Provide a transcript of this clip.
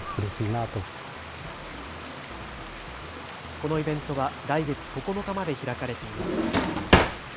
このイベントは来月９日まで開かれています。